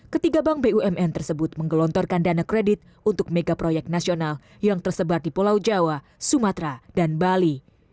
ketiga bank bumn tersebut menggelontorkan dana kredit untuk mega proyek nasional yang tersebar di pulau jawa sumatera dan bali